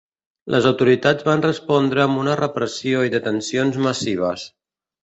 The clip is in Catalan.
Les autoritats van respondre amb una repressió i detencions massives.